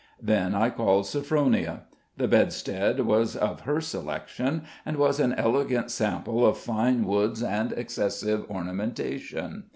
Then I called Sophronia: the bedstead was of her selection, and was an elegant sample of fine woods and excessive ornamentation.